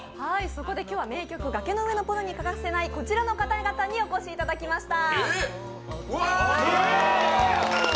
そこで今日は名曲「崖の上のポニョ」に欠かせないこちらの方々にお越しいただきました。